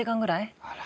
あら。